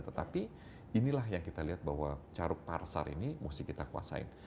tetapi inilah yang kita lihat bahwa caruk pasar ini mesti kita kuasain